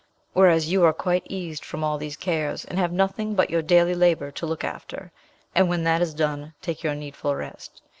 Whereas you are quite eased from all these cares, and have nothing but your daily labour to look after, and, when that is done, take your needful rest.